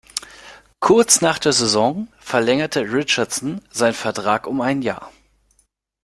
Kurz nach der Saison verlängerte Richardson seinen Vertrag um ein Jahr.